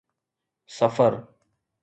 سفر